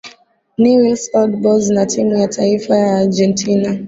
Newells Old Boys na timu ya taifa ya Argentina